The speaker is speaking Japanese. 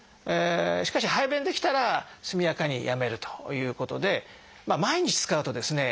しかし排便できたら速やかにやめるということで毎日使うとですね